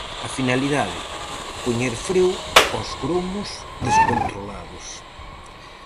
A finalidade: poñer freo aos gromos descontrolados.